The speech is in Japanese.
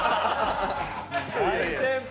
大先輩。